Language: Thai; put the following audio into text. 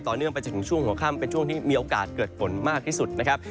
เนื่องไปจนถึงช่วงหัวค่ำเป็นช่วงที่มีโอกาสเกิดฝนมากที่สุดนะครับ